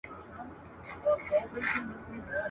خو یو څوک به دي پر څنګ اخلي ګامونه ..